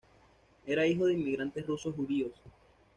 Era hijo de inmigrantes rusos judíos.